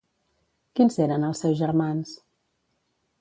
Quins eren els seus germans?